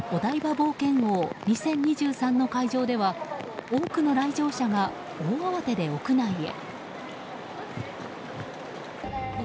冒険王２０２３の会場では多くの来場者が大慌てで屋内へ。